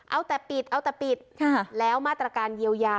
เอาแต่ปิดแล้วมาตรการเยียวยา